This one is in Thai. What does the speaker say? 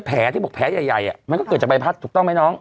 แผลที่บอกแผลใหญ่มันก็เกิดจากใบพัดถูกต้องไหมน้อง